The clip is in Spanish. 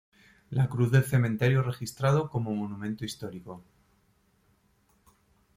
La cruz del cementerio registrado como Monumento Histórico.